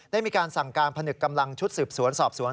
ได้มีการสั่งการผนึกกำลังชุดสืบสวนสอบสวน